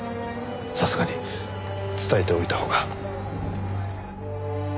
さすがに伝えておいたほうが。